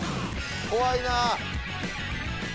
怖いな。